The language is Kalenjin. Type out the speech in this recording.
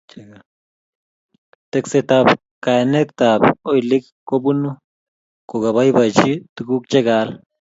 Tekset ab kayanetab olik kobunu kokabaibachi tukuk chekaal